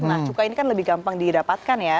nah cukai ini kan lebih gampang didapatkan ya